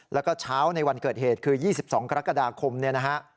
แล้วก็เช้าในวันเกิดเหตุคือ๒๒กรกฎาคมเนี่ยนะฮะ